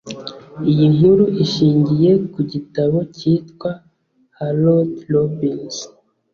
iyi nkuru ishingiye ku gitabo cyitwa Harold Robbins